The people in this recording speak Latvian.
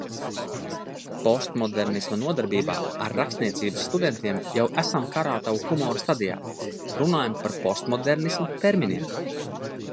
Postmodernisma nodarbībā ar Rakstniecības studentiem jau esam karātavu humora stadijā. Runājam par postmodernisma terminiem.